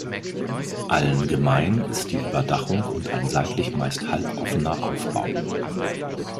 Allen gemein ist die Überdachung und ein seitlich meist halboffener Aufbau.